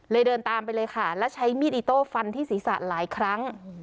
เดินตามไปเลยค่ะแล้วใช้มีดอิโต้ฟันที่ศีรษะหลายครั้ง